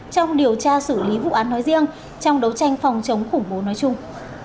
trong điều tra xử lý vụ án nói riêng trong đấu tranh phòng chống khủng bố nói chung